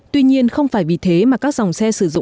tuy nhiên không phải vì thế mà các dòng xe